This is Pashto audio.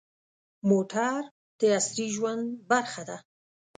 موټر د عصري ژوند برخه ده.